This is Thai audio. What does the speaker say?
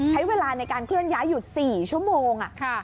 ใช้เวลาในการเคลื่อนย้ายอยู่๔ชั่วโมง